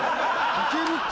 いけるってこれ。